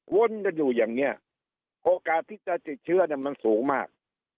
วนกันอยู่อย่างนี้โอกาสที่จะติดเชื้อเนี่ยมันสูงมาก